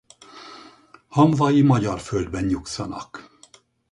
Hamvai magyar földben nyugszanak.